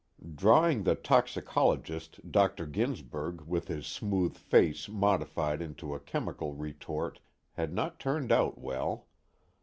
Drawing the toxicologist Dr. Ginsberg with his smooth face modified into a chemical retort had not turned out well.